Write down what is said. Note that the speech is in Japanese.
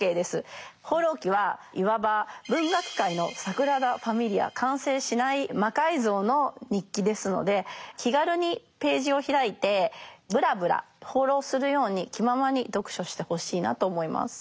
「放浪記」はいわば完成しない魔改造の日記ですので気軽にページを開いてブラブラ放浪するように気ままに読書してほしいなと思います。